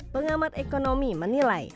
pengamat ekonomi menilai